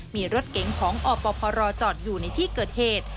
มีรถเก๋งของอปพรจอดอยู่ในที่เกิดเหตุ